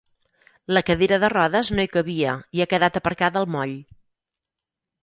La cadira de rodes no hi cabia i ha quedat aparcada al moll.